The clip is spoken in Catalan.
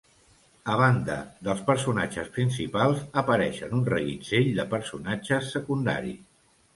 A banda dels personatges principals apareixen un reguitzell de personatges secundaris.